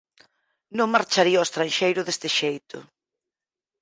Non marcharía ao estranxeiro deste xeito.